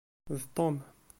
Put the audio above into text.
D Tom.